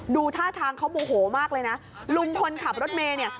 ดูท่าทางเขาโมโหมากเลยนะลุงคนขับรถเมย์เนี่ย